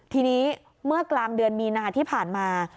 ทีนี้เมื่อกลางเดือนมีนาที่ผ่านมา